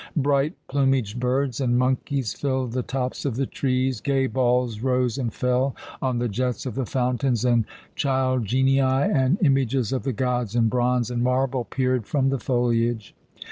Bright plumaged birds and monkeys filled the tops of the trees, gay balls rose and fell on the jets of the fountains, and child genii and images of the gods in bronze and marble peered from the foliage.